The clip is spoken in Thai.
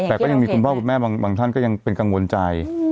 แต่ก็ยังมีคุณพ่อคุณแม่บางท่านก็ยังเป็นกังวลใจ